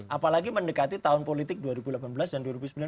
apalagi mendekati tahun politik dua ribu delapan belas dan dua ribu sembilan belas